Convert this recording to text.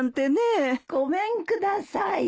・ごめんください。